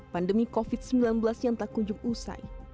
pandemi covid sembilan belas yang tak kunjung usai